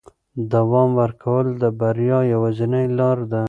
دوام ورکول د بریا یوازینۍ لاره ده.